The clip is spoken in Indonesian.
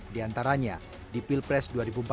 di antaranya di pilpres dua ribu empat belas